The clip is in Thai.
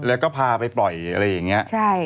แล้วก็พาไปปล่อยอะไรอย่างนี้